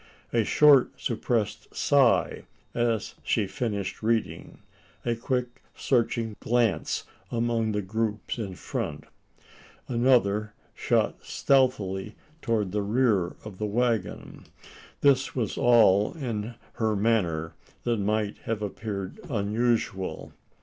A short suppressed sigh, as she finished reading; a quick searching glance among the groups in front another, shot stealthily towards the rear of the waggon this was all in her manner that might have appeared unusual.